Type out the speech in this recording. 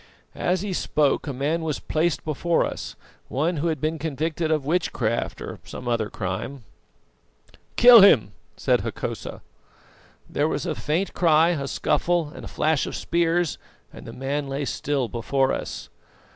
"As he spoke a man was placed before us, one who had been convicted of witchcraft or some other crime. "'Kill him!' said Hokosa. "There was a faint cry, a scuffle, a flashing of spears, and the man lay still before us.